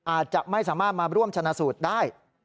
อาจจะไม่สามารถมาร่วมชนะสูตรได้